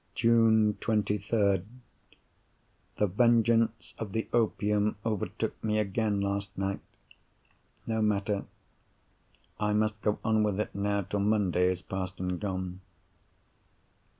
June 23rd.—The vengeance of the opium overtook me again last night. No matter; I must go on with it now till Monday is past and gone.